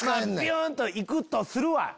ぴゅん！といくとするわ。